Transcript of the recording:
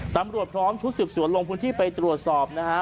ตำรวจพร้อมชุดสืบสวนลงพื้นที่ไปตรวจสอบนะฮะ